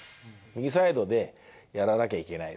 右サイドでやらなきゃいけない。